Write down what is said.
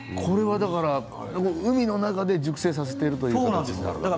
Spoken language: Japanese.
海の中で熟成させているということなんですね。